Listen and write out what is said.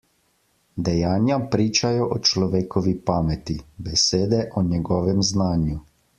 Dejanja pričajo o človekovi pameti, besede o njegovem znanju.